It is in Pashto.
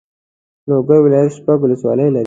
لوګر ولایت شپږ والسوالۍ لري.